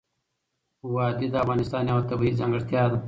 وادي د افغانستان یوه طبیعي ځانګړتیا ده.